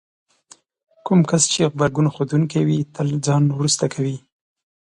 کوم کس چې غبرګون ښودونکی وي تل ځان وروسته کوي.